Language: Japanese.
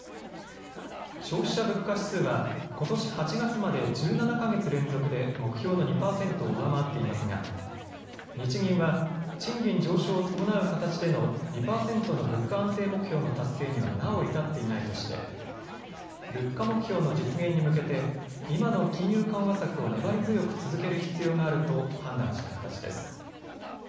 消費者物価指数はことし８月まで１７か月連続で目標の２％を上回っていますが日銀は賃金上昇を伴う形での２％の物価安定目標の達成にはなお至っていないとして物価目標の実現に向けて今の金融緩和策を粘り強く続ける必要があると判断した形です。